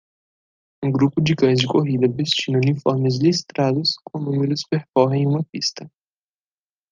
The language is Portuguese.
Um grupo de cães de corrida vestindo uniformes listrados com números percorrem uma pista.